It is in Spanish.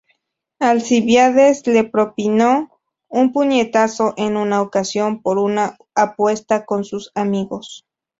Alcibíades le propinó un puñetazo en una ocasión por una apuesta con sus amigos.